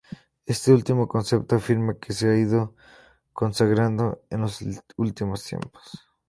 Este último concepto afirma que se ha ido consagrando en los últimos tiempos.